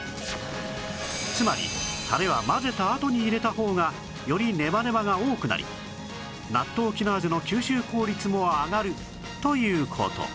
つまりタレは混ぜたあとに入れた方がよりネバネバが多くなりナットウキナーゼの吸収効率も上がるという事